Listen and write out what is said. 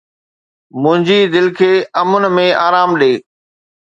منهنجي دل کي امن ۾ آرام ڏي